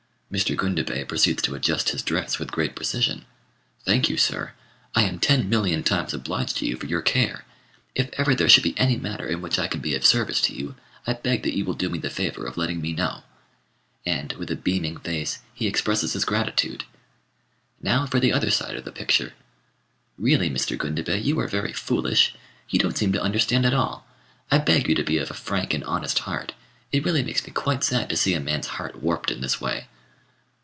Mr. Gundabei proceeds to adjust his dress with great precision. "Thank you, sir. I am ten million times obliged to you for your care. If ever there should be any matter in which I can be of service to you, I beg that you will do me the favour of letting me know;" and, with a beaming face, he expresses his gratitude. Now for the other side of the picture. "Really, Mr. Gundabei, you are very foolish; you don't seem to understand at all. I beg you to be of a frank and honest heart: it really makes me quite sad to see a man's heart warped in this way."